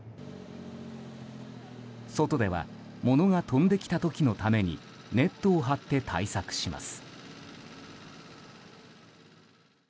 外では物が飛んできた時のためにネットを張って対策します。